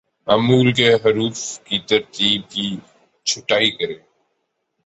معمول کے حروف کی ترتیب کی چھٹائی کریں